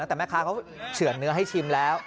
แต่แม่ค้าเขาเฉื่อนเนื้อให้ชิมแล้ว